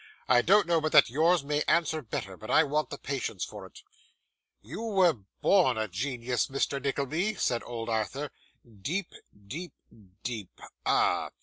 'I don't know but that yours may answer better, but I want the patience for it.' 'You were born a genius, Mr. Nickleby,' said old Arthur. 'Deep, deep, deep. Ah!